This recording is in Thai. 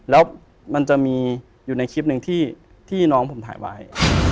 แล้วมันจะมีอยู่ในคลิปหนึ่งที่น้องผมถ่ายไว้